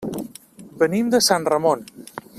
Venim de Sant Ramon.